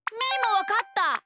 わかった！